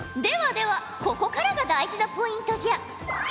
ではではここからが大事なポイントじゃ。